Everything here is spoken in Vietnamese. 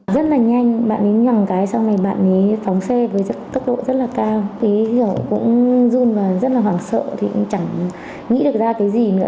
rất là hoảng sợ thì cũng chẳng nghĩ được ra cái gì nữa